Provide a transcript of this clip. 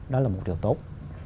đó là một điều tốt